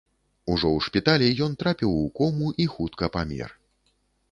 Ужо ў шпіталі ён трапіў у кому і хутка памер.